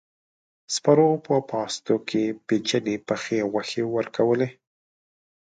سپرو په پاستو کې پيچلې پخې غوښې ورکولې.